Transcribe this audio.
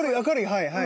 はいはい。